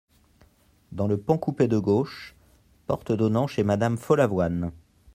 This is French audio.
Dans le pan coupé de gauche, porte donnant chez madame Follavoine.